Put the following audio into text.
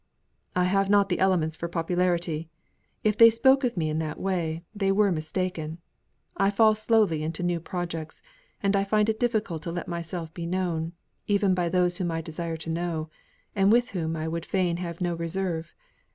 "I have not the elements for popularity if they spoke of me in that way, they were mistaken. I fall slowly into new projects; and I find it difficult to let myself be known, even by those whom I desire to know, and with whom I would fain have no reserve.